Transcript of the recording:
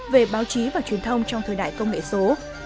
về báo chí và truyền thông trong thời đại công nghệ số